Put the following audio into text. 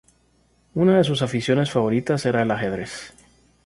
Una de sus aficiones favoritas era el ajedrez.